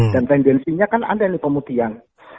dan tendensinya kan ada ini pemutihan